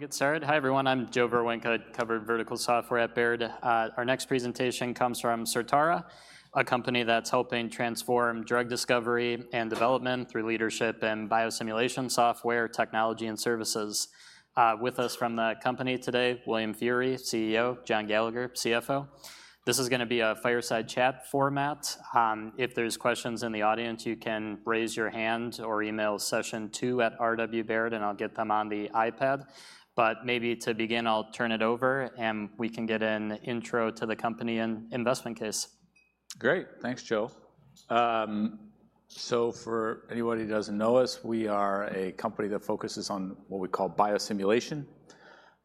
Get started. Hi, everyone, I'm Joe Vruwink. I cover vertical software at Baird. Our next presentation comes from Certara, a company that's helping transform drug discovery and development through leadership and biosimulation software, technology, and services. With us from the company today, William Feehery, CEO. John Gallagher, CFO. This is gonna be a fireside chat format. If there's questions in the audience, you can raise your hand or email sessiontwo@rwbaird, and I'll get them on the iPad. But maybe to begin, I'll turn it over, and we can get an intro to the company and investment case. Great. Thanks, Joe. So for anybody who doesn't know us, we are a company that focuses on what we call biosimulation.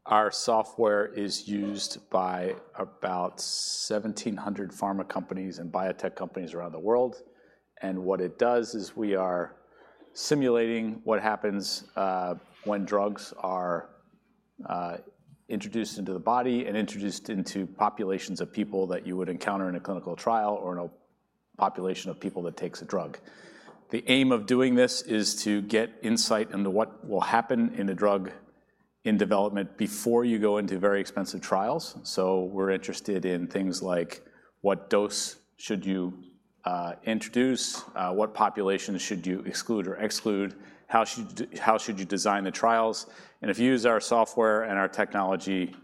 Our Software is used by about 1,700 pharma companies and biotech companies around the world, and what it does is we are simulating what happens when drugs are introduced into the body and introduced into populations of people that you would encounter in a clinical trial or in a population of people that takes a drug. The aim of doing this is to get insight into what will happen in a drug in development before you go into very expensive trials. So we're interested in things like, what dose should you introduce? What populations should you exclude or include? How should you design the trials? And if you use our Software and our technology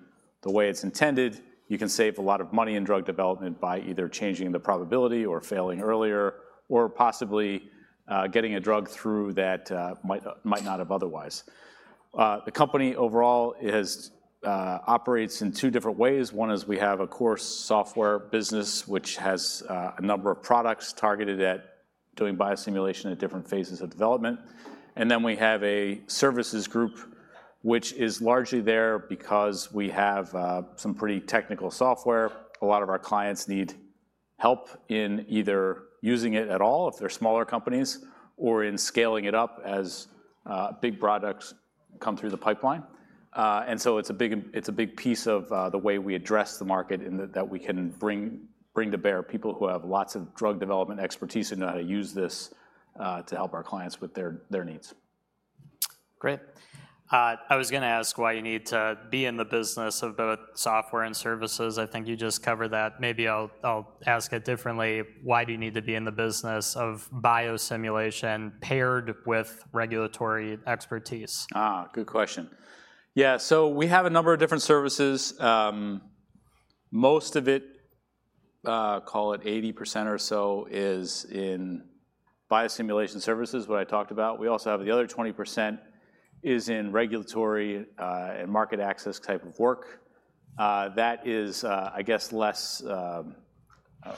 the way it's intended, you can save a lot of money in drug development by either changing the probability or failing earlier, or possibly getting a drug through that might not have otherwise. The company overall is operates in two different ways. One is we have a core software business, which has a number of products targeted at doing biosimulation at different phases of development. And then we have a services group, which is largely there because we have some pretty technical software. A lot of our clients need help in either using it at all, if they're smaller companies, or in scaling it up as big products come through the pipeline. And so it's a big piece of the way we address the market in that we can bring to bear people who have lots of drug development expertise and know how to use this to help our clients with their needs. Great. I was gonna ask why you need to be in the business of both software and services. I think you just covered that. Maybe I'll ask it differently: Why do you need to be in the business of biosimulation paired with regulatory expertise? Ah, good question. Yeah, so we have a number of different services. Most of it, call it 80% or so, is in biosimulation services, what I talked about. We also have the other 20% is in regulatory, and market access type of work. That is, I guess less,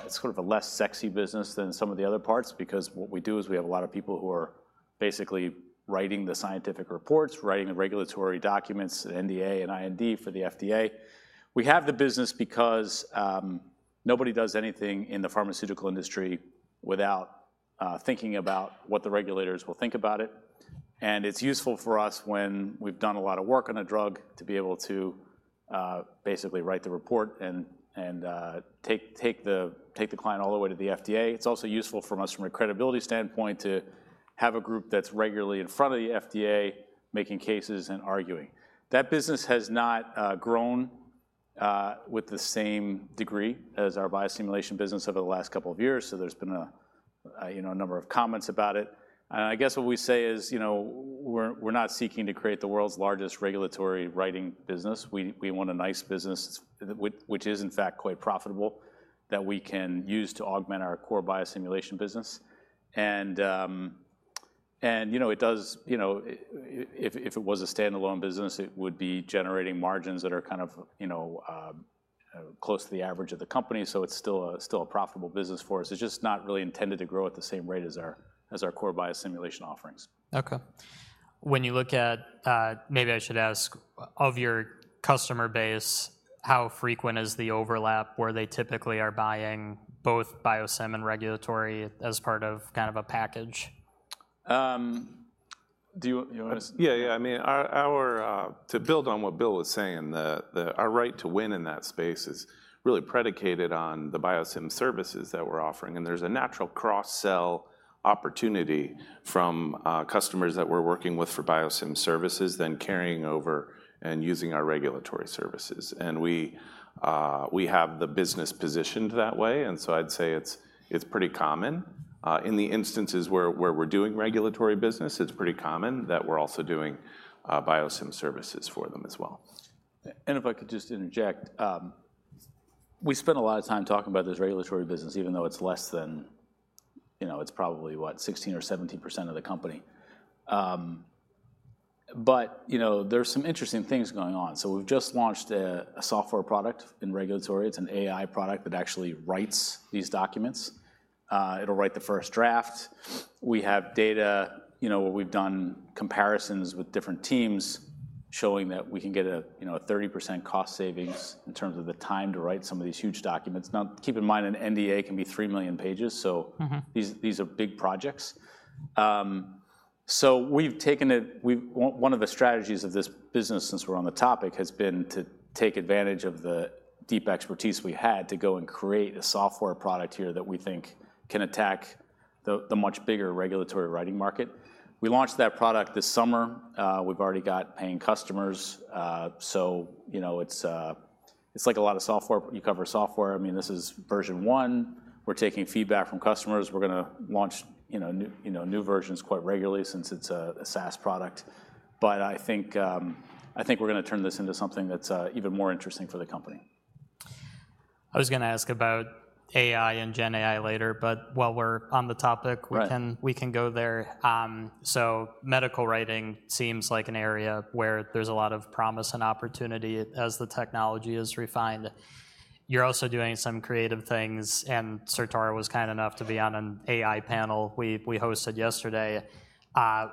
it's sort of a less sexy business than some of the other parts because what we do is we have a lot of people who are basically writing the scientific reports, writing the regulatory documents, NDA and IND for the FDA. We have the business because nobody does anything in the pharmaceutical industry without thinking about what the regulators will think about it, and it's useful for us when we've done a lot of work on a drug to be able to basically write the report and take the client all the way to the FDA. It's also useful for us from a credibility standpoint to have a group that's regularly in front of the FDA, making cases and arguing. That business has not grown with the same degree as our biosimulation business over the last couple of years, so there's been, you know, a number of comments about it. And I guess what we say is, you know, we're not seeking to create the world's largest regulatory writing business. We want a nice business, which is in fact quite profitable, that we can use to augment our core biosimulation business. And, you know, it does. You know, if it was a standalone business, it would be generating margins that are kind of, you know, close to the average of the company, so it's still a profitable business for us. It's just not really intended to grow at the same rate as our core biosimulation offerings. Okay. When you look at, maybe I should ask, of your customer base, how frequent is the overlap where they typically are buying both biosim and regulatory as part of kind of a package? Do you wanna- Yeah, yeah. I mean, our to build on what Bill is saying, our right to win in that space is really predicated on the biosim services that we're offering, and there's a natural cross-sell opportunity from customers that we're working with for biosim services, then carrying over and using our regulatory services, and we have the business positioned that way, and so I'd say it's pretty common. In the instances where we're doing regulatory business, it's pretty common that we're also doing biosim services for them as well. And if I could just interject, we spent a lot of time talking about this regulatory business, even though it's less than, you know, it's probably, what, 16 or 17% of the company. But, you know, there are some interesting things going on. So we've just launched a software product in regulatory. It's an AI product that actually writes these documents. It'll write the first draft. We have data, you know, where we've done comparisons with different teams, showing that we can get a 30% cost savings in terms of the time to write some of these huge documents. Now, keep in mind, an NDA can be 3 million pages, so- Mm-hmm These are big projects. So one of the strategies of this business, since we're on the topic, has been to take advantage of the deep expertise we had to go and create a software product here that we think can attack the much bigger regulatory writing market. We launched that product this summer. We've already got paying customers, so you know, it's like a lot of software. You cover software. I mean, this is version one. We're taking feedback from customers. We're gonna launch, you know, new versions quite regularly since it's a SaaS product. But I think we're gonna turn this into something that's even more interesting for the company. I was gonna ask about AI and GenAI later, but while we're on the topic- Right We can, we can go there. So medical writing seems like an area where there's a lot of promise and opportunity as the technology is refined. You're also doing some creative things, and Certara was kind enough to be on an AI panel we, we hosted yesterday,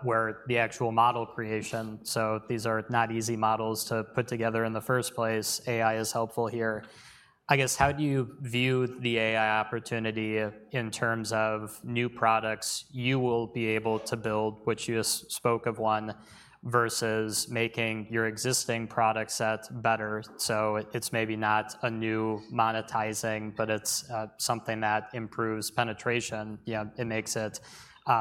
where the actual model creation, so these are not easy models to put together in the first place. AI is helpful here. I guess, how do you view the AI opportunity in terms of new products you will be able to build, which you just spoke of one, versus making your existing product set better? So it- it's maybe not a new monetizing, but it's, something that improves penetration, yeah. It makes it,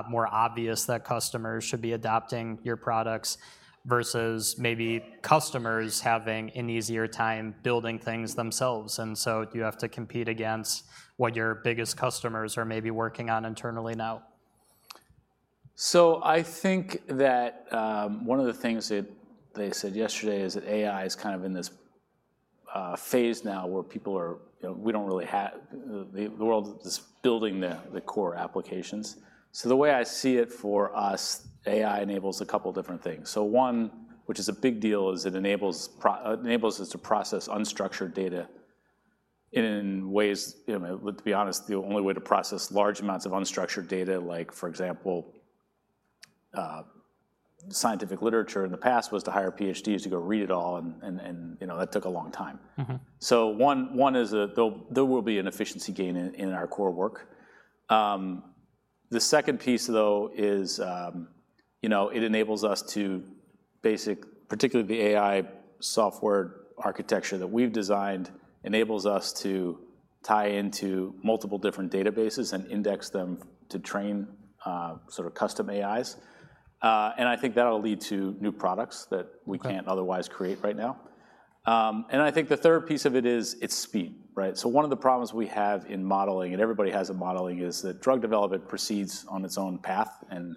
more obvious that customers should be adopting your products versus maybe customers having an easier time building things themselves. And so do you have to compete against what your biggest customers are maybe working on internally now? So I think that one of the things that they said yesterday is that AI is kind of in this phase now where people are, you know, we don't really have. The world is building the core applications. So the way I see it for us, AI enables a couple different things. So one, which is a big deal, is it enables us to process unstructured data in ways, you know, to be honest, the only way to process large amounts of unstructured data, like, for example, scientific literature in the past, was to hire PhDs to go read it all, and you know, that took a long time. Mm-hmm. One is that there will be an efficiency gain in our core work. The second piece, though, is, you know, it enables us to basically particularly the AI software architecture that we've designed enables us to tie into multiple different databases and index them to train sort of custom AIs. And I think that'll lead to new products that- Okay We can't otherwise create right now. And I think the third piece of it is, it's speed, right? So one of the problems we have in modeling, and everybody has in modeling, is that drug development proceeds on its own path, and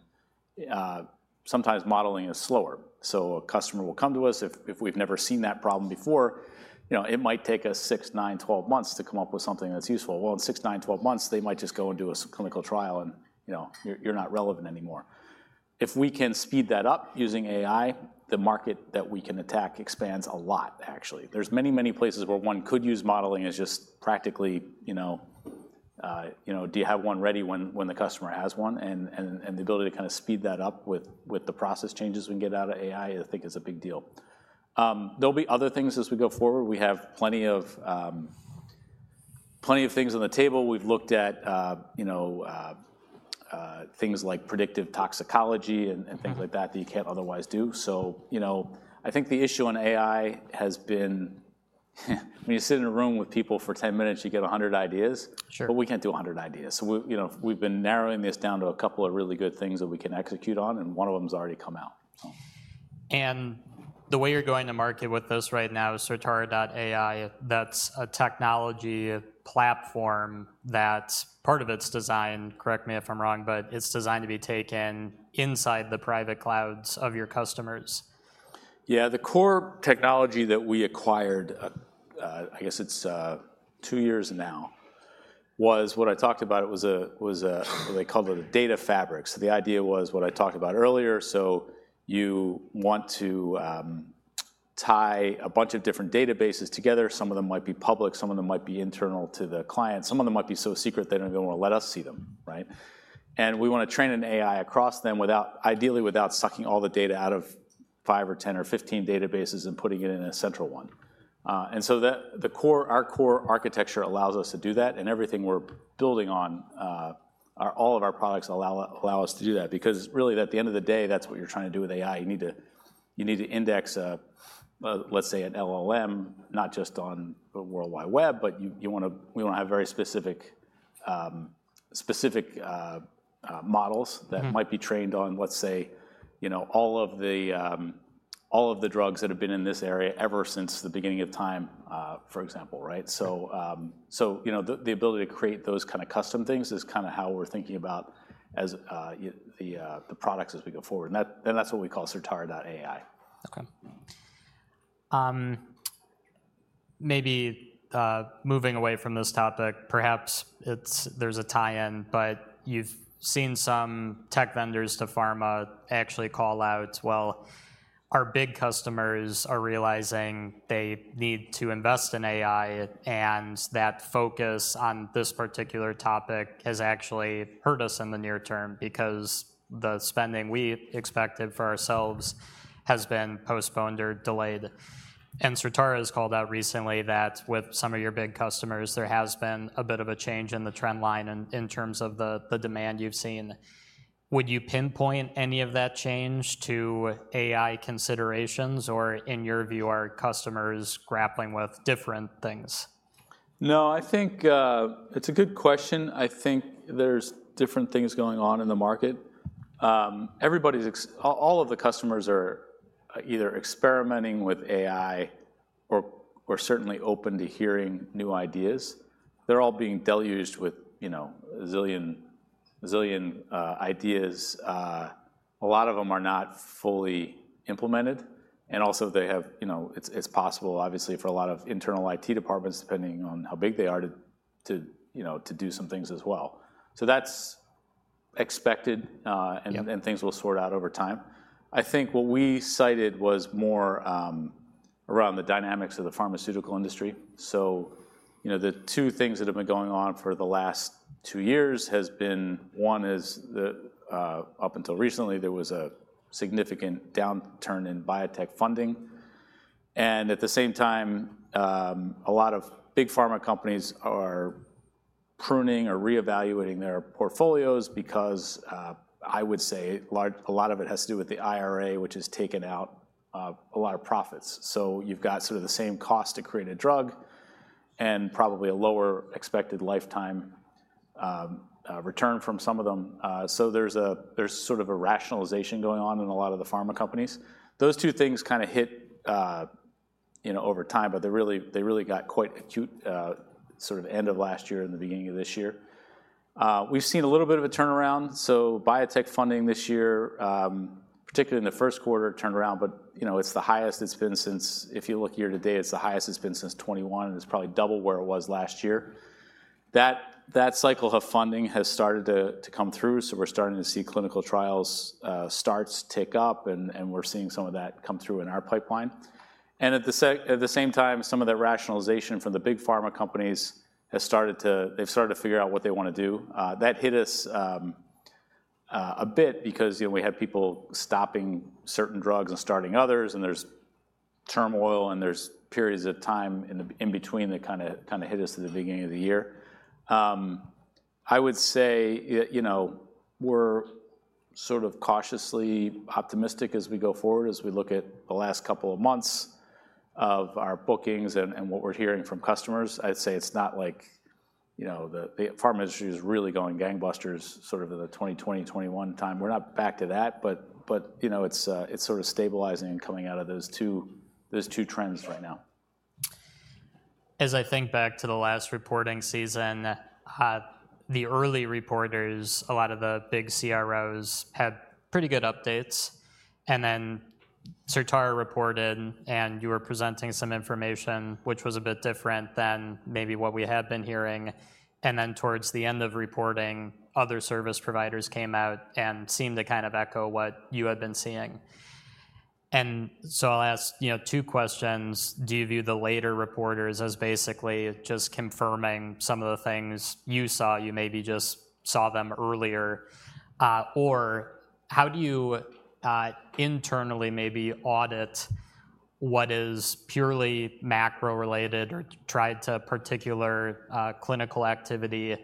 sometimes modeling is slower. So a customer will come to us, if we've never seen that problem before, you know, it might take us six, nine, twelve months to come up with something that's useful. Well, in six, nine, twelve months, they might just go and do a clinical trial, and, you know, you're not relevant anymore. If we can speed that up using AI, the market that we can attack expands a lot, actually. There's many, many places where one could use modeling as just practically, you know, you know, do you have one ready when the customer has one? And the ability to kind of speed that up with the process changes we get out of AI, I think is a big deal. There'll be other things as we go forward. We have plenty of, plenty of things on the table. We've looked at, you know, things like predictive toxicology and things like that that you can't otherwise do. So, you know, I think the issue on AI has been, when you sit in a room with people for 10 minutes, you get 100 ideas. Sure. But we can't do a hundred ideas. So we, you know, we've been narrowing this down to a couple of really good things that we can execute on, and one of them's already come out, so. The way you're going to market with this right now is Certara.ai. That's a technology platform that part of it's designed, correct me if I'm wrong, but it's designed to be taken inside the private clouds of your customers. Yeah, the core technology that we acquired, I guess it's two years now, was what I talked about. It was a- they called it a data fabric. So the idea was what I talked about earlier. So you want to tie a bunch of different databases together. Some of them might be public, some of them might be internal to the client. Some of them might be so secret they don't even want to let us see them, right? And we want to train an AI across them without- ideally, without sucking all the data out of five or 10 or 15 databases and putting it in a central one. And so the core- our core architecture allows us to do that, and everything we're building on, all of our products allow us to do that. Because really, at the end of the day, that's what you're trying to do with AI. You need to index a, let's say, an LLM, not just on the World Wide Web, but we wanna have very specific models- Mm-hmm That might be trained on, let's say, you know, all of the drugs that have been in this area ever since the beginning of time, for example, right? So, you know, the ability to create those kind of custom things is kind of how we're thinking about as the products as we go forward. And that's what we call Certara.ai. Okay. Maybe, moving away from this topic, perhaps there's a tie-in, but you've seen some tech vendors to pharma actually call out, Well, our big customers are realizing they need to invest in AI, and that focus on this particular topic has actually hurt us in the near term because the spending we expected for ourselves has been postponed or delayed. And Certara has called out recently that with some of your big customers, there has been a bit of a change in the trend line in terms of the demand you've seen. Would you pinpoint any of that change to AI considerations, or in your view, are customers grappling with different things? No, I think it's a good question. I think there's different things going on in the market. Everybody's all of the customers are either experimenting with AI or certainly open to hearing new ideas. They're all being deluged with, you know, a zillion ideas. A lot of them are not fully implemented, and also they have, you know, it's possible, obviously, for a lot of internal IT departments, depending on how big they are, to, you know, to do some things as well. So that's expected. Yeah And things will sort out over time. I think what we cited was more around the dynamics of the pharmaceutical industry. So, you know, the two things that have been going on for the last two years has been: one is that, up until recently, there was a significant downturn in biotech funding, and at the same time, a lot of big pharma companies are pruning or re-evaluating their portfolios because, I would say largely a lot of it has to do with the IRA, which has taken out a lot of profits. So you've got sort of the same cost to create a drug and probably a lower expected lifetime return from some of them. So there's a sort of a rationalization going on in a lot of the pharma companies. Those two things kinda hit, you know, over time, but they really, they really got quite acute, sort of end of last year and the beginning of this year. We've seen a little bit of a turnaround, so biotech funding this year, particularly in the first quarter, turned around, but, you know, it's the highest it's been since, if you look year to date, it's the highest it's been since 2021, and it's probably double where it was last year. That cycle of funding has started to come through, so we're starting to see clinical trials starts tick up, and we're seeing some of that come through in our pipeline. And at the same time, some of that rationalization from the big pharma companies has started to. They've started to figure out what they wanna do. That hit us a bit because, you know, we had people stopping certain drugs and starting others, and there's turmoil, and there's periods of time in the in between that kinda hit us at the beginning of the year. I would say you know, we're sort of cautiously optimistic as we go forward, as we look at the last couple of months of our bookings and what we're hearing from customers. I'd say it's not like, you know, the pharma industry is really going gangbusters, sort of the 2020, 2021 time. We're not back to that, but you know, it's sort of stabilizing and coming out of those two trends right now. As I think back to the last reporting season, the early reporters, a lot of the big CROs, had pretty good updates, and then Certara reported, and you were presenting some information which was a bit different than maybe what we had been hearing, and then, towards the end of reporting, other service providers came out and seemed to kind of echo what you had been seeing, and so I'll ask, you know, two questions: Do you view the later reporters as basically just confirming some of the things you saw, you maybe just saw them earlier, or how do you internally maybe audit what is purely macro-related or tied to particular clinical activity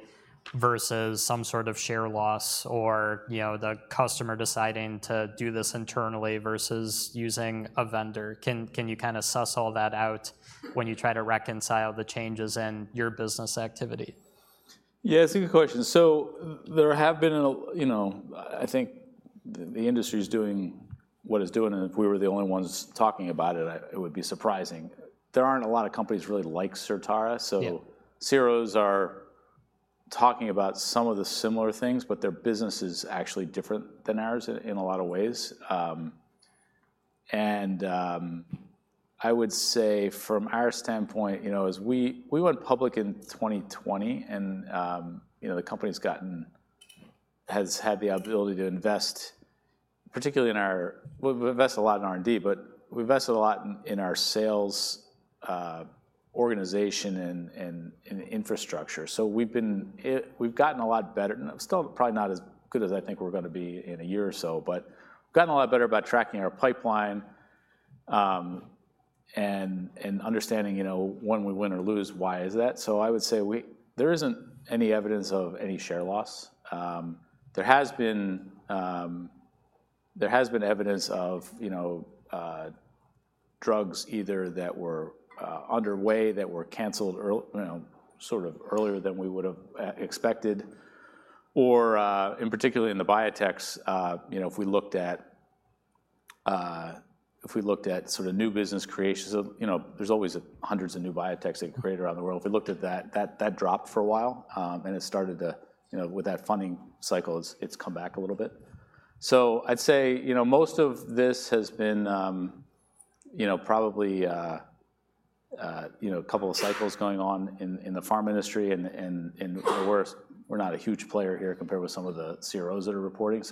versus some sort of share loss, or, you know, the customer deciding to do this internally versus using a vendor? Can you kinda suss all that out when you try to reconcile the changes in your business activity? Yeah, it's a good question. So there have been a, you know. I think the industry's doing what it's doing, and if we were the only ones talking about it, it would be surprising. There aren't a lot of companies really like Certara, so- Yeah CROs are talking about some of the similar things, but their business is actually different than ours in a lot of ways, and I would say from our standpoint, you know, as we went public in 2020, and you know, the company's gotten has had the ability to invest, particularly in our. We've invested a lot in R&D, but we've invested a lot in our sales organization and in infrastructure. So we've gotten a lot better, and still probably not as good as I think we're gonna be in a year or so. But gotten a lot better about tracking our pipeline, and understanding, you know, when we win or lose, why is that? So I would say there isn't any evidence of any share loss. There has been evidence of, you know, drugs either that were underway, that were cancelled earlier than we would've expected, or, in particular in the biotechs, you know, if we looked at sort of new business creations of, you know, there's always hundreds of new biotechs that create around the world. If we looked at that, that dropped for a while, and it started to, you know, with that funding cycle, it's come back a little bit. So I'd say, you know, most of this has been, you know, probably a couple of cycles going on in the pharma industry, and we're not a huge player here compared with some of the CROs that are reporting.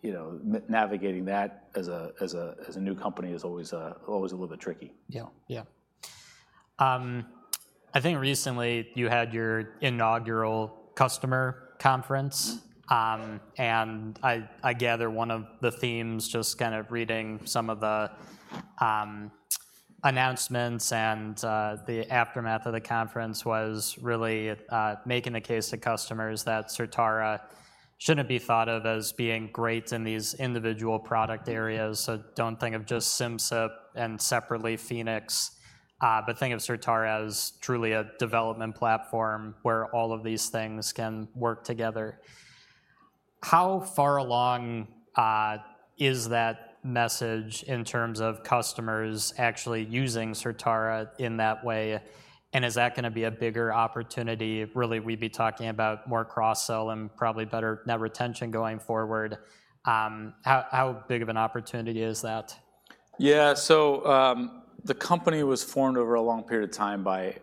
You know, navigating that as a new company is always a little bit tricky. Yeah. Yeah. I think recently you had your inaugural customer conference- Mm-hmm. And I gather one of the themes, just kind of reading some of the announcements and the aftermath of the conference was really making the case to customers that Certara shouldn't be thought of as being great in these individual product areas. So don't think of just Simcyp and separately Phoenix, but think of Certara as truly a development platform where all of these things can work together. How far along is that message in terms of customers actually using Certara in that way? And is that gonna be a bigger opportunity, really, we'd be talking about more cross-sell and probably better net retention going forward? How big of an opportunity is that? Yeah, so, the company was formed over a long period of time by,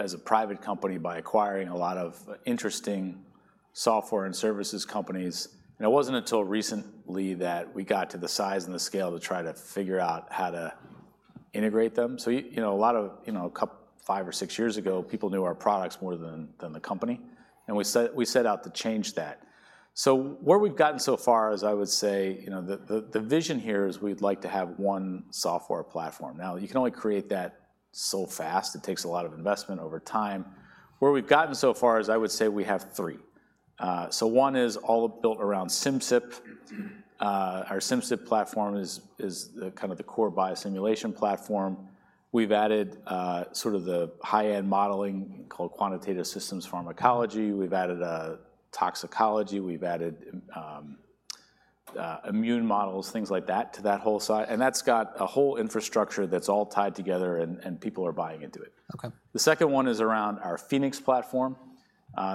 as a private company, by acquiring a lot of interesting software and services companies. And it wasn't until recently that we got to the size and the scale to try to figure out how to integrate them. So you know, a lot of, you know, five or six years ago, people knew our products more than the company, and we set out to change that. So where we've gotten so far is, I would say, you know, the vision here is we'd like to have one software platform. Now, you can only create that so fast. It takes a lot of investment over time. Where we've gotten so far is, I would say we have three. So one is all built around Simcyp. Our Simcyp platform is the kind of the core biosimulation platform. We've added sort of the high-end modeling called quantitative systems pharmacology. We've added toxicology, we've added immune models, things like that to that whole side, and that's got a whole infrastructure that's all tied together and people are buying into it. Okay. The second one is around our Phoenix platform.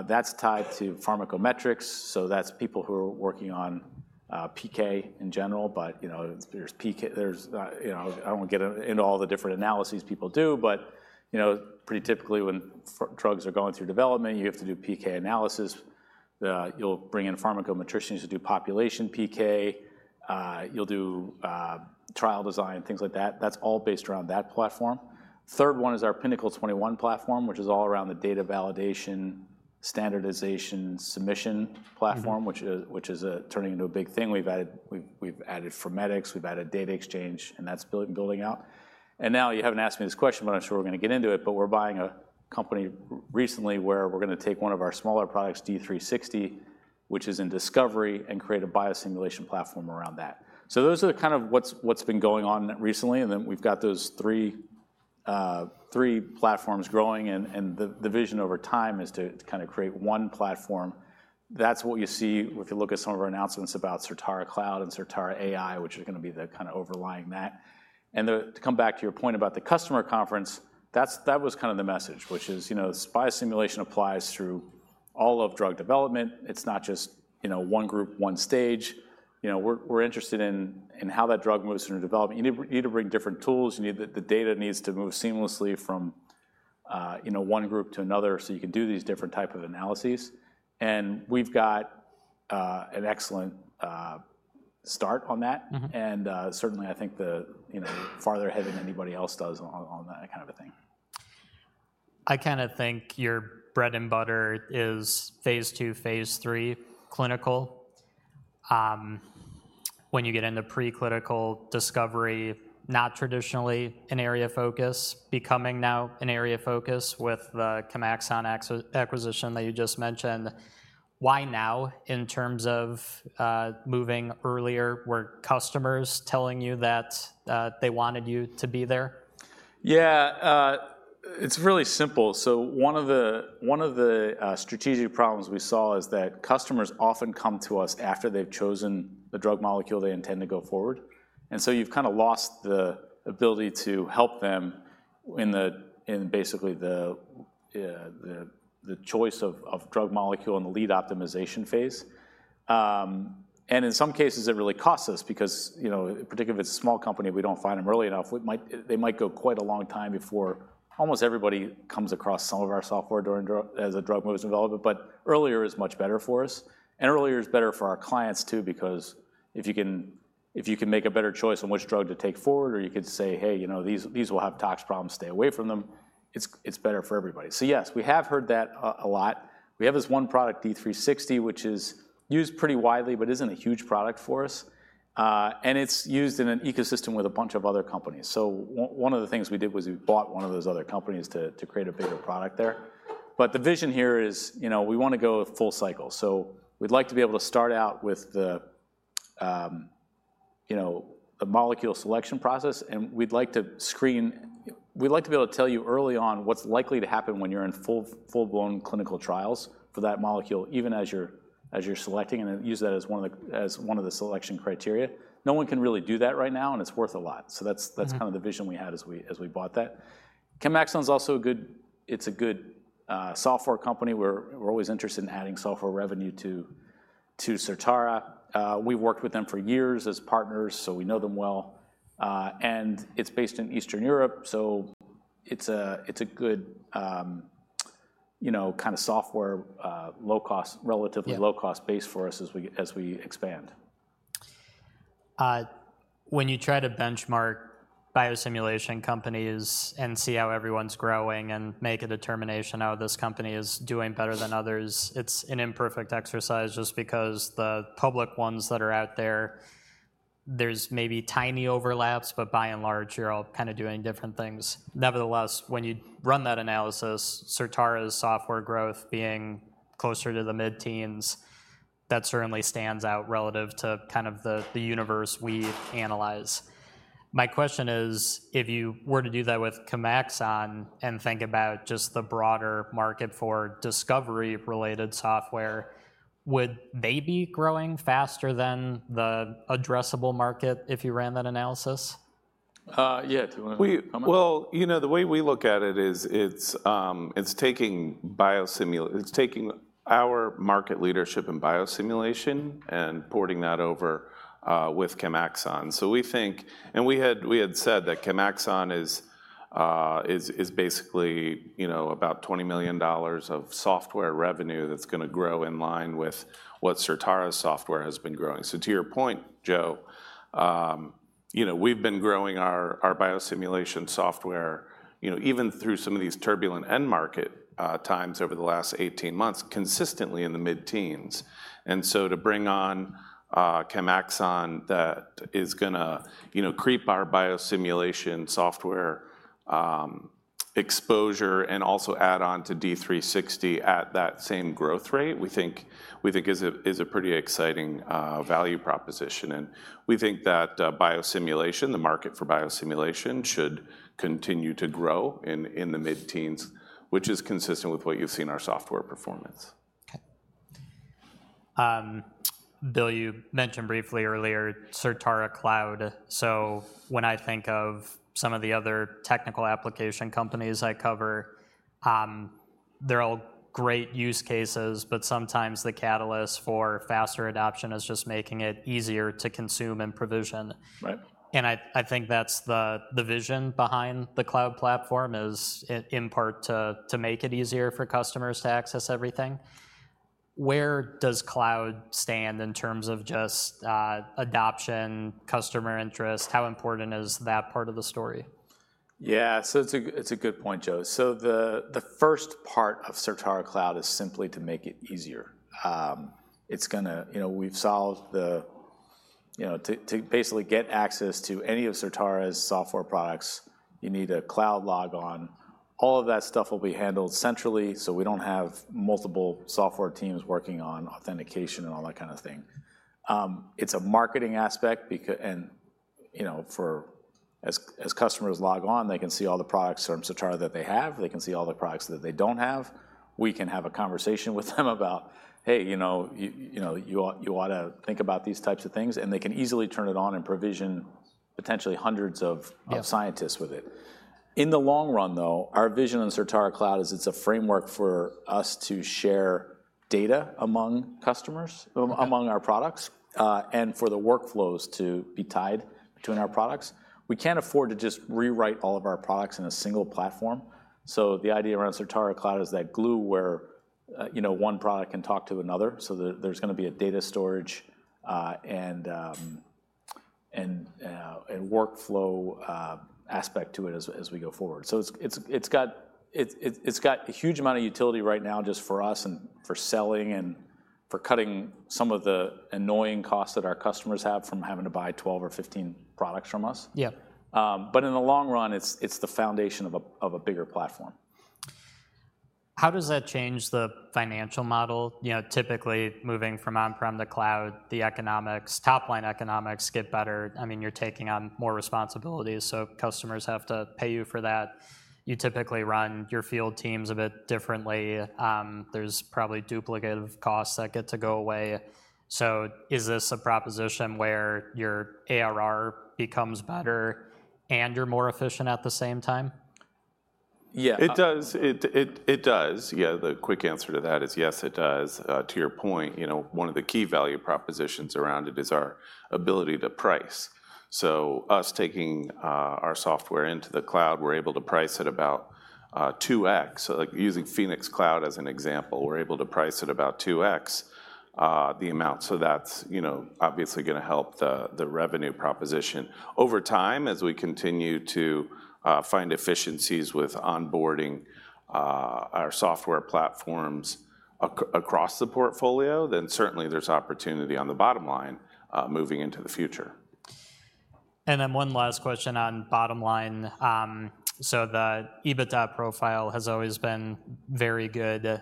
That's tied to pharmacometrics, so that's people who are working on PK in general, but you know, there's PK. You know, I won't get into all the different analyses people do, but you know, pretty typically, when drugs are going through development, you have to do PK analysis. You'll bring in pharmacometricians to do population PK. You'll do trial design, things like that. That's all based around that platform. Third one is our Pinnacle 21 platform, which is all around the data validation, standardization, submission platform- Mm-hmm. which is turning into a big thing. We've added Formedix, we've added data exchange, and that's building out. And now, you haven't asked me this question, but I'm sure we're gonna get into it, but we're buying a company recently, where we're gonna take one of our smaller products, D360, which is in discovery, and create a biosimulation platform around that. So those are kind of what's been going on recently, and then we've got those three platforms growing and the vision over time is to kind of create one platform. That's what you see if you look at some of our announcements about Certara Cloud and Certara AI, which are gonna be the kind of overlaying that. And the, To come back to your point about the customer conference, that was kind of the message, which is, you know, biosimulation applies through all of drug development. It's not just, you know, one group, one stage. You know, we're interested in how that drug moves through development. You need to bring different tools. The data needs to move seamlessly from, you know, one group to another, so you can do these different type of analyses, and we've got an excellent start on that. Mm-hmm. Certainly, I think the, you know, farther ahead than anybody else does on that kind of a thing. I kinda think your bread and butter is phase II, phase III clinical. When you get into pre-clinical discovery, not traditionally an area of focus, becoming now an area of focus with the Chemaxon acquisition that you just mentioned. Why now, in terms of moving earlier? Were customers telling you that they wanted you to be there? Yeah, it's really simple. So one of the strategic problems we saw is that customers often come to us after they've chosen the drug molecule they intend to go forward. And so you've kind of lost the ability to help them in the in basically the choice of drug molecule and the lead optimization phase. And in some cases, it really costs us because, you know, particularly if it's a small company, we don't find them early enough, they might go quite a long time before almost everybody comes across some of our Software during as a drug moves in development. But earlier is much better for us, and earlier is better for our clients too, because if you can make a better choice on which drug to take forward, or you could say, Hey, you know, these will have tox problems, stay away from them, it's better for everybody. So yes, we have heard that a lot. We have this one product, D360, which is used pretty widely but isn't a huge product for us. And it's used in an ecosystem with a bunch of other companies. So one of the things we did was we bought one of those other companies to create a bigger product there. But the vision here is, you know, we wanna go full cycle. So we'd like to be able to start out with the, you know, a molecule selection process, and we'd like to screen. We'd like to be able to tell you early on what's likely to happen when you're in full, full-blown clinical trials for that molecule, even as you're selecting, and then use that as one of the selection criteria. No one can really do that right now, and it's worth a lot. So that's- Mm. That's kind of the vision we had as we bought that. Chemaxon is also a good software company. We're always interested in adding Software revenue to Certara. We've worked with them for years as partners, so we know them well. And it's based in Eastern Europe, so it's a good, you know, kind of software, low cost- Yeah. Relatively low-cost base for us as we, as we expand. When you try to benchmark biosimulation companies and see how everyone's growing and make a determination how this company is doing better than others, it's an imperfect exercise just because the public ones that are out there, there's maybe tiny overlaps, but by and large, you're all kind of doing different things. Nevertheless, when you run that analysis, Certara's Software growth being closer to the mid-teens, that certainly stands out relative to kind of the universe we analyze. My question is, if you were to do that with Chemaxon and think about just the broader market for discovery-related software, would they be growing faster than the addressable market if you ran that analysis? Yeah, do you want to comment? Well, you know, the way we look at it is it's taking our market leadership in biosimulation and porting that over with Chemaxon. So we think. And we had said that Chemaxon is basically, you know, about $20 million of software revenue that's going to grow in line with what Certara's Software has been growing. So to your point, Joe, you know, we've been growing our biosimulation software, you know, even through some of these turbulent end market times over the last 18 months, consistently in the mid-teens. And so to bring on Chemaxon, that is going to, you know, creep our biosimulation software exposure and also add on to D360 at that same growth rate, we think is a pretty exciting value proposition. We think that biosimulation, the market for biosimulation, should continue to grow in the mid-teens, which is consistent with what you've seen in our Software performance. Okay. Bill, you mentioned briefly earlier Certara Cloud. So when I think of some of the other technical application companies I cover, they're all great use cases, but sometimes the catalyst for faster adoption is just making it easier to consume and provision. Right. I think that's the vision behind the cloud platform, is in part to make it easier for customers to access everything. Where does cloud stand in terms of just adoption, customer interest? How important is that part of the story? Yeah. It's a good point, Joe. So the first part of Certara Cloud is simply to make it easier. It's gonna. You know, we've solved the, you know, to basically get access to any of Certara's Software products, you need a cloud log on. All of that stuff will be handled centrally, so we don't have multiple software teams working on authentication and all that kind of thing. It's a marketing aspect because and, you know, for as customers log on, they can see all the products from Certara that they have. They can see all the products that they don't have. We can have a conversation with them about, Hey, you know, you ought to think about these types of things. And they can easily turn it on and provision potentially hundreds of- Yeah Of scientists with it. In the long run, though, our vision on Certara Cloud is it's a framework for us to share data among customers- Okay Among our products, and for the workflows to be tied between our products. We can't afford to just rewrite all of our products in a single platform. So the idea around Certara Cloud is that glue where, you know, one product can talk to another, so there's going to be a data storage, and workflow aspect to it as we go forward. So it's got a huge amount of utility right now just for us and for selling and for cutting some of the annoying costs that our customers have from having to buy twelve or fifteen products from us. Yeah. But in the long run, it's the foundation of a bigger platform. How does that change the financial model? You know, typically, moving from on-prem to cloud, the economics, top-line economics get better. I mean, you're taking on more responsibilities, so customers have to pay you for that. You typically run your field teams a bit differently. There's probably duplicative costs that get to go away. So is this a proposition where your ARR becomes better and you're more efficient at the same time? Yeah. It does. Yeah, the quick answer to that is yes, it does. To your point, you know, one of the key value propositions around it is our ability to price. So us taking our Software into the cloud, we're able to price at about 2X. So, like, using Phoenix Cloud as an example, we're able to price at about 2X the amount. So that's, you know, obviously going to help the revenue proposition. Over time, as we continue to find efficiencies with onboarding our Software platforms across the portfolio, then certainly there's opportunity on the bottom line moving into the future. And then one last question on bottom line. So the EBITDA profile has always been very good.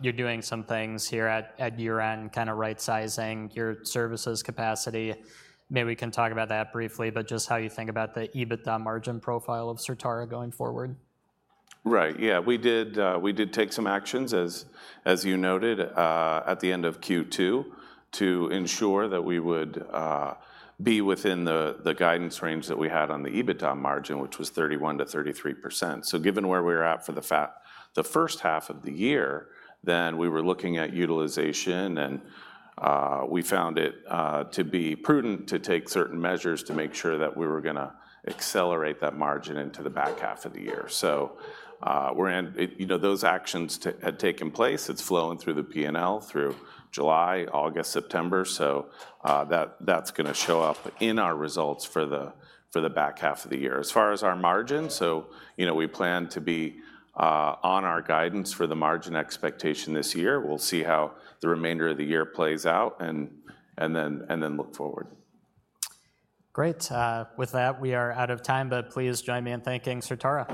You're doing some things here at year-end, kind of right-sizing your services capacity. Maybe we can talk about that briefly, but just how you think about the EBITDA margin profile of Certara going forward? Right. Yeah, we did take some actions, as you noted, at the end of Q2, to ensure that we would be within the guidance range that we had on the EBITDA margin, which was 31%-33%. So given where we were at for the first half of the year, then we were looking at utilization, and we found it to be prudent to take certain measures to make sure that we were gonna accelerate that margin into the back half of the year. So we're in it. You know, those actions had taken place. It's flowing through the P&L through July, August, September, so that that's gonna show up in our results for the back half of the year. As far as our margin, so, you know, we plan to be on our guidance for the margin expectation this year. We'll see how the remainder of the year plays out and then look forward. Great. With that, we are out of time, but please join me in thanking Certara.